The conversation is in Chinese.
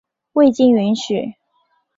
未经允许